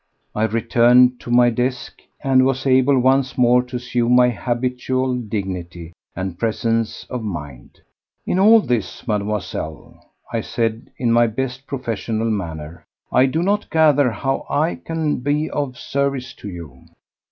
I returned to my desk, and was able once more to assume my habitual dignity and presence of mind. "In all this, Mademoiselle," I said in my best professional manner, "I do not gather how I can be of service to you."